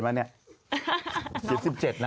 เพราะน้องบอกสวัสดีค่ะ